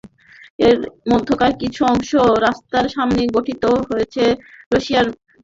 এর মধ্যকার কিছু সংখ্যক রাস্তার সমন্বয়ে গঠিত হয়েছে রাশিয়ার ফেডারেল সড়ক ব্যবস্থা।